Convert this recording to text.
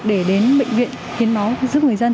để đến bệnh viện hiến máu giúp người dân